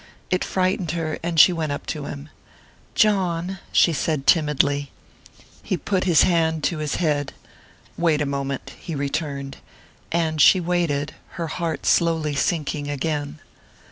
It frightened her and she went up to him. "John!" she said timidly. He put his hand to his head. "Wait a moment " he returned; and she waited, her heart slowly sinking again.